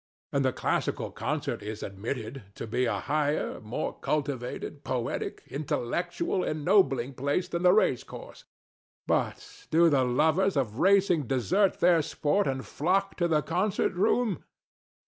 And the classical concert is admitted to be a higher, more cultivated, poetic, intellectual, ennobling place than the racecourse. But do the lovers of racing desert their sport and flock to the concert room?